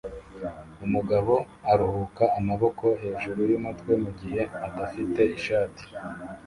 Umugabo aruhuka amaboko hejuru yumutwe mugihe adafite ishati